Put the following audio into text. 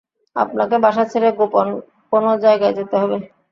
আপনাকে বাসা ছেড়ে গোপন কোনো জায়গায় যেতে হবে।